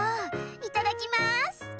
いただきます。